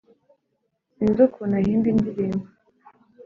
sinzi ukuntu ahimba indirimbo